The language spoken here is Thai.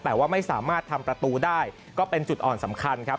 แต่ว่าไม่สามารถทำประตูได้ก็เป็นจุดอ่อนสำคัญครับ